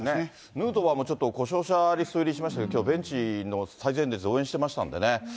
ヌートバーもちょっと故障者リスト入りしましたけど、きょう、ベンチの最前列で応援してましたんでね。